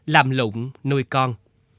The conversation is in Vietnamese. làm lụng nuôi con